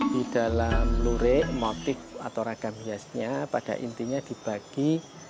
di dalam lurik motif atau ragam hiasnya pada intinya dibagi